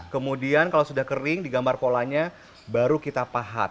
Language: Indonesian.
kemudian kalau sudah kering digambar polanya baru kita pahat